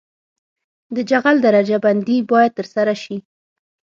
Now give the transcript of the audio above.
د جغل درجه بندي باید ترسره شي